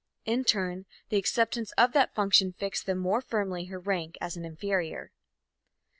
In turn, the acceptance of that function fixed the more firmly her rank as an inferior.